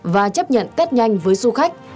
và chấp nhận test nhanh với du khách